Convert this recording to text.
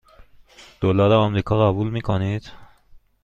دلار آمریکا قبول می کنید؟